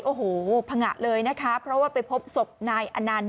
โอ้โหผงะเลยนะคะเพราะว่าไปพบศพนายอนันต์